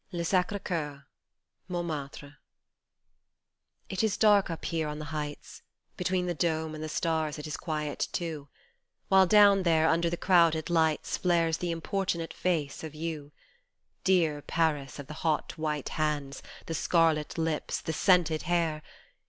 5 1 LE SACRE CCEUR (Montmartre) IT is dark up here on the heights, Between the dome and the stars it is quiet too, While down there under the crowded lights Flares the importunate face of you, Dear Paris of the hot white hands, the scarlet lips, the scented hair..